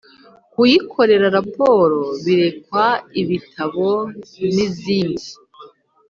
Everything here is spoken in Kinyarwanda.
kuyikorera raporo Berekwa ibitabo n izindi